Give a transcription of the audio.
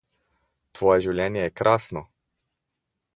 Tvoje življenje je krasno.